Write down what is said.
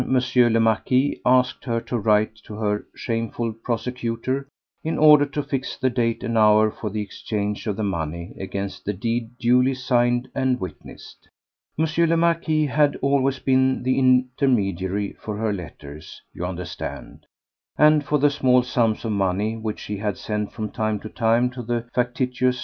le Marquis asked her to write to her shameful persecutor in order to fix the date and hour for the exchange of the money against the deed duly signed and witnessed. M. le Marquis had always been the intermediary for her letters, you understand, and for the small sums of money which she had sent from time to time to the factitious M.